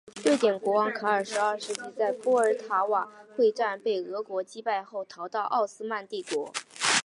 瑞典国王卡尔十二世在波尔塔瓦会战被俄国击败后逃到奥斯曼帝国。